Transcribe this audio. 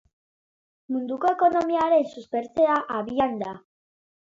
Munduko ekonomiaren suspertzea abian da.